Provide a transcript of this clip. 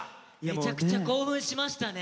めちゃくちゃ興奮しましたね。